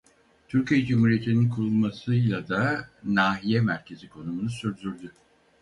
Türkiye Cumhuriyeti'nin kurulmasıyla da nahiye merkezi konumunu sürdürdü.